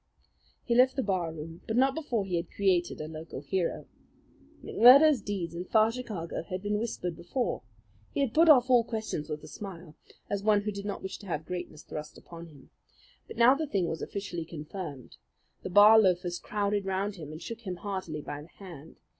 He left the bar room; but not before he had created a local hero. McMurdo's deeds in far Chicago had been whispered before. He had put off all questions with a smile, as one who did not wish to have greatness thrust upon him. But now the thing was officially confirmed. The bar loafers crowded round him and shook him heartily by the hand.